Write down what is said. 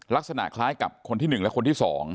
ลักษณะคล้ายกับคนที่๑และคนที่๒